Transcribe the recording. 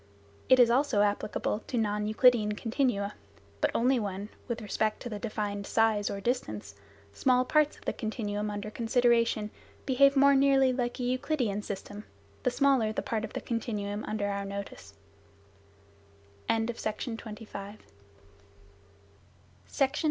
It is also applicable to non Euclidean continua, but only when, with respect to the defined "size" or "distance," small parts of the continuum under consideration behave more nearly like a Euclidean system, the smaller the part of the continuum under our notice.